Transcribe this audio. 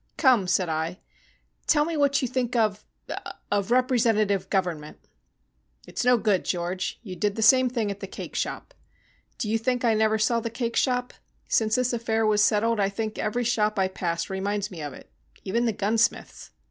"Come," said I, "tell me what you think of of representative government." "It's no good, George. You did the same thing at the cake shop. Do you think I never saw the cake shop? Since this affair was settled I think every shop I pass reminds me of it even the gunsmith's.